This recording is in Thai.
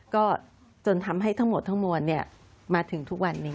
ก็จนทำให้ทั้งหมดทั้งมวลมาถึงทุกวันนี้